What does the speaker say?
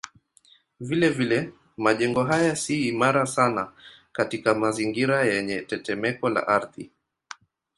Vilevile majengo haya si imara sana katika mazingira yenye tetemeko la ardhi.